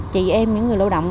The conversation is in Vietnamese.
chị em những người lao động